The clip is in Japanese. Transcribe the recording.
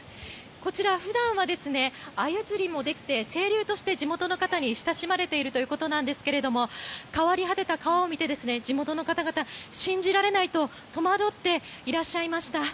こちら、普段はアユ釣りもできて清流として地元の方に親しまれているということなんですが変わり果てた川を見て地元の方々は、信じられないと戸惑っていらっしゃいました。